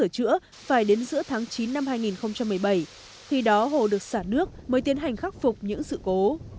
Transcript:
tháng chín năm hai nghìn một mươi bảy thì đó hồ được xả nước mới tiến hành khắc phục những sự cố